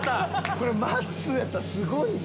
これまっすーやったらすごいな。